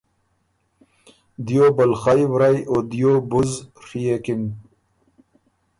(دیو بلخئ ورئ او دیو بُز) ڒيېکِن۔